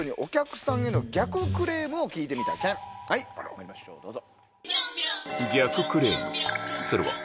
まいりましょうどうぞ。